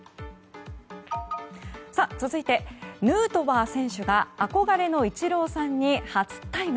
続いて、ヌートバー選手が憧れのイチローさんに初対面。